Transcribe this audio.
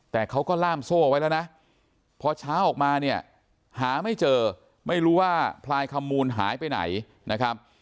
แต่เขาก็ล่ามโซ่ไว้แล้วนะพอเช้าออกมาเนี่ยหาไม่เจอไม่รู้ว่าพลายขมูลหายไปไหนนะครับ